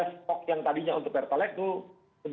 stok yang tadinya untuk pertalat itu